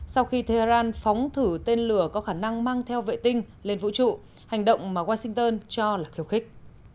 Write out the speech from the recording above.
sau khi tehran phóng thử tên lửa có khả năng mang theo vệ tinh lên vũ trụ hành động mà washington cho là khiêu khích